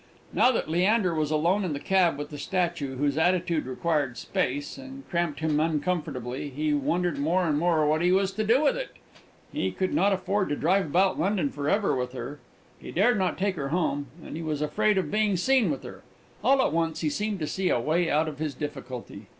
Now that Leander was alone in the cab with the statue, whose attitude required space, and cramped him uncomfortably, he wondered more and more what he was to do with it. He could not afford to drive about London for ever with her; he dared not take her home; and he was afraid of being seen with her! All at once he seemed to see a way out of his difficulty.